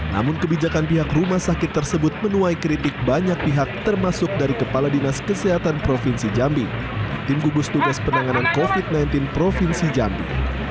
namun kebijakan pihak rumah sakit tersebut menuai kritik banyak pihak termasuk dari kepala dinas kesehatan provinsi jambi tim gugus tugas penanganan covid sembilan belas provinsi jambi